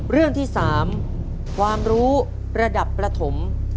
เรื่องที่๓ความรู้ระดับประถม